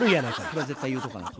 これは絶対言うとかないと。